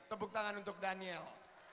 tepuk tangan untuk daniel